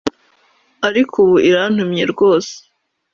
ariko ubu irantumye rwose